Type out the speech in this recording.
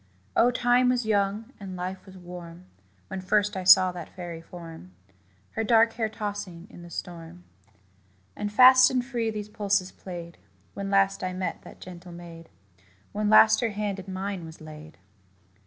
Oh, Time was young, and Life was warm, When first I saw that fairy form, Her dark hair tossing in the storm. And fast and free these pulses played, When last I met that gentle maid When last her hand in mine was laid.